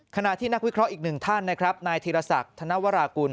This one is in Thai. ขณะที่นักวิเคราะห์อีกหนึ่งท่านนะครับนายธีรศักดิ์ธนวรากุล